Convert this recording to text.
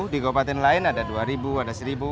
di kabupaten lain ada dua ada satu